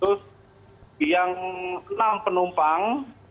terus yang enam penumpang